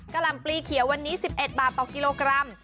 หล่ำปลีเขียววันนี้๑๑บาทต่อกิโลกรัม